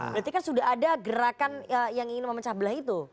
berarti kan sudah ada gerakan yang ingin memecah belah itu